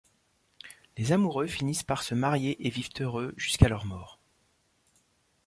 Les amoureux finissent par se marier et vivent heureux jusqu'à leur mort.